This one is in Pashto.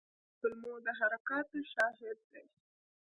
غول د کولمو د حرکاتو شاهد دی.